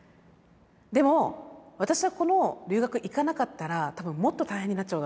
でも私はこの留学行かなかったら多分もっと大変になっちゃうだろうなと。